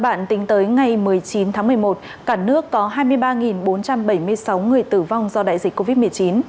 trong tới ngày một mươi chín tháng một mươi một cả nước có hai mươi ba bốn trăm bảy mươi sáu người tử vong do đại dịch covid một mươi chín